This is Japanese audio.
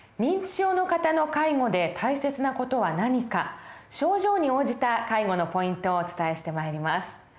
認知症の方の介護で大切な事は何か症状に応じた介護のポイントをお伝えしてまいります。